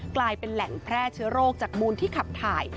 กลายเป็นแหล่งแพร่เชื้อโรคจากมูลที่ขับถ่าย